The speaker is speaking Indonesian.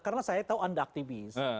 karena saya tahu anda aktivis